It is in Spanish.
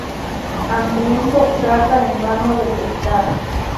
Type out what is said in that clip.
Hambriento, trata en vano de pescar.